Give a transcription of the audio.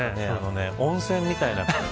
温泉みたいな感じ。